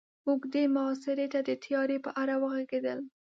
اوږدې محاصرې ته د تياري په اړه وغږېدل.